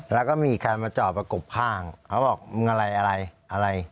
แล้วก็มีใครมาจอดประกบข้างเขาบอกมึงอะไรอะไรอะไร